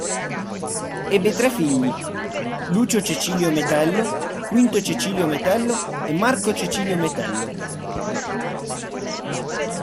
Ebbe tre figli: Lucio Cecilio Metello, Quinto Cecilio Metello e Marco Cecilio Metello.